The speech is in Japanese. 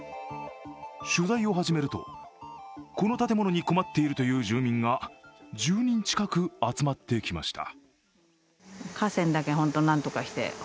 取材を始めると、この建物に困っているという住民が１０人近く集まってきました。